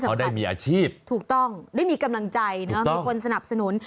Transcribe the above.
เขาได้มีอาชีพถูกต้องได้มีกำลังใจเนอะมีคนสนับสนุน